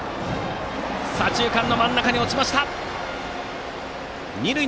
左中間の真ん中に落ちました。